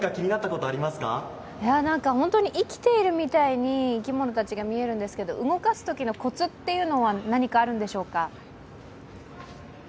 本当に生きているみたいに生き物たちが見えるんですけど動かすときのコツっていうのは何かあるんでしょうか？